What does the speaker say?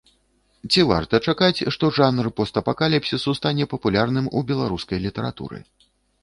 Ці варта чакаць, што жанр постапакаліпсісу стане папулярным у беларускай літаратуры?